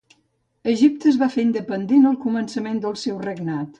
Egipte es va fer independent al començament del seu regnat.